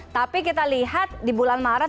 tapi kita lihat di bulan maret